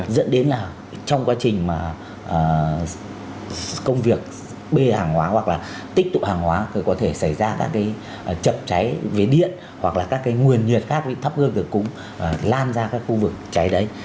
dẫn đến là trong quá trình công việc bê hàng hóa hoặc là tích tụ hàng hóa thì có thể xảy ra các cái chậm cháy với điện hoặc là các cái nguyền nhiệt khác thấp gương cực cũng lan ra các khu vực cháy đấy